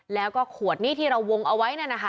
แล้วก็ขวดนี้ที่เราวงเอาไว้นั่นนะคะ